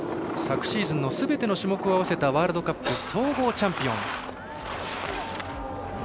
昨シーズンのすべての種目を合わせたワールドカップ総合チャンピオン。